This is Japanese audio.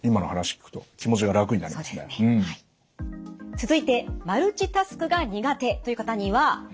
続いてマルチタスクが苦手という方にはこちら。